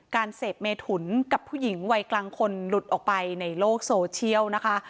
การเสพเมถุนกับผู้หญิงวัยกลางคนหลุดออกไปในโลกโซเชียลนะคะ